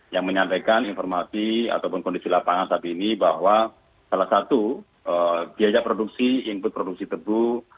yang menyampaikan informasi ataupun kondisi lapangan saat ini bahwa salah satu biaya produksi input produksi tebu